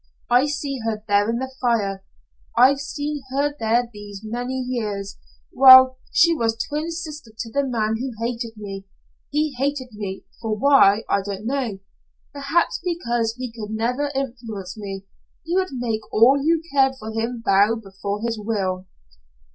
I see her there in the fire. I've seen her there these many years. Well, she was twin sister to the man who hated me. He hated me for why, I don't know perhaps because he never could influence me. He would make all who cared for him bow before his will.